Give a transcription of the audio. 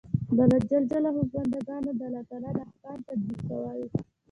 د الله ج په بندګانو د الله تعالی د احکام تطبیقول.